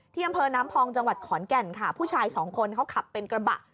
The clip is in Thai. อำเภอน้ำพองจังหวัดขอนแก่นค่ะผู้ชายสองคนเขาขับเป็นกระบะ